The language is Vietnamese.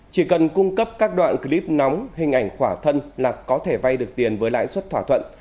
chỉ cần cung cấp các đoạn clip nóng hình ảnh khỏa thân là có thể vay được tiền với lãi suất thỏa thuận